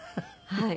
はい。